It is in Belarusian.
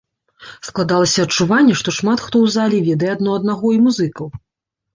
Складалася адчуванне, што шмат хто ў залі ведае адно аднаго і музыкаў.